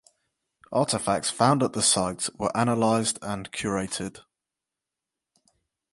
Artifacts found at the site were analyzed and curated.